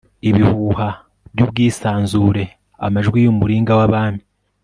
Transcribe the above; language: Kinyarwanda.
Ibihuha byubwisanzure amajwi yumuringa wabami